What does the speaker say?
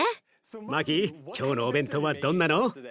マキ今日のお弁当はどんなの？